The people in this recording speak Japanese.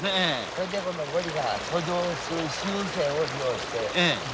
それで今度ゴリが遡上する習性を利用して。